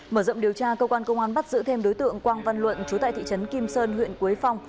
mở rộng điều tra cơ quan công an bắt giữ thêm đối tượng quang văn luận chú tại thị trấn kim sơn huyện quế phong